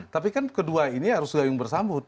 tapi kan kedua ini harus juga yang bersambut